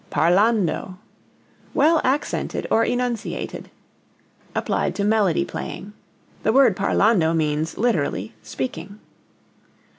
Parlando well accented or enunciated; applied to melody playing. (The word parlando means literally speaking.)